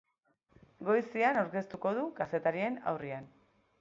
Goizean aurkeztuko du kazetarien aurrean.